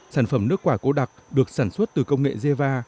sản phẩm nước quả cô đặc được sản xuất từ công nghệ geva